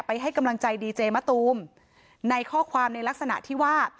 ให้กำลังใจดีเจมะตูมในข้อความในลักษณะที่ว่า